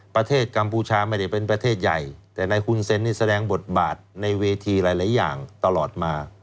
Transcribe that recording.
กัมพูชาไม่ได้เป็นประเทศใหญ่แต่ในหุ่นเซ็นนี่แสดงบทบาทในเวทีหลายอย่างตลอดมา